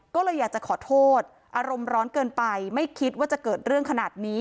ก็เลยอยากจะขอโทษอารมณ์ร้อนเกินไปไม่คิดว่าจะเกิดเรื่องขนาดนี้